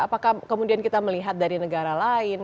apakah kemudian kita melihat dari negara lain